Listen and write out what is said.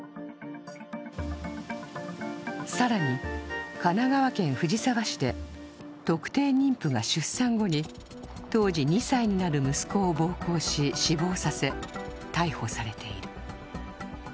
更に、神奈川県藤沢市で特定妊婦が出産後に当時２歳になる息子を暴行し死亡させ、逮捕されている。